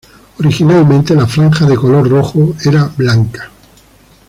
Originalmente la franja de color rojo era blanca.